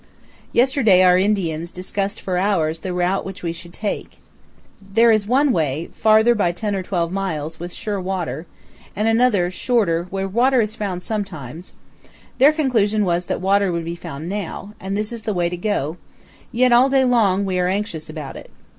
Yesterday our Indians discussed for hours the route which we should take. There is one way, farther by 10 or 12 miles, with sure water; another, shorter, where water is found sometimes; their conclusion was that water would be found now; and this is the way we go, yet all day long we are anxious about it.